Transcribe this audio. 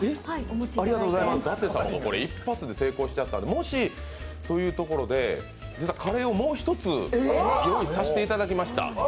舘様が一発で成功してしまったので、もしということで実はカレーをもう一つ用意させていただきました。